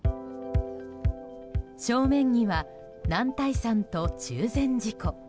正面には男体山と中禅寺湖。